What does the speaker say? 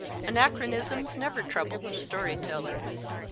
Ana chronisms never troubled the story teller.